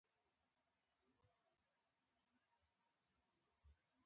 زه کولای شم په ساعتونو ساعتونو په ورځو ورځو.